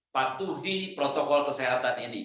patuhi protokol kesehatan ini